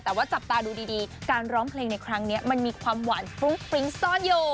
แต่ว่าจับตาดูดีการร้องเพลงในครั้งนี้มันมีความหวานฟรุ้งฟริ้งซ่อนอยู่